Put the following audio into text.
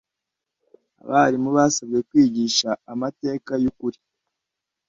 Abarimu basabwe kwigisha amateka y’ukuri